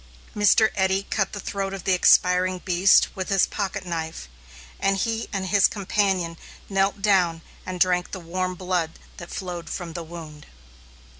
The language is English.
Mr. Eddy cut the throat of the expiring beast with his pocket knife, and he and his companion knelt down and drank the warm blood that flowed from the wound.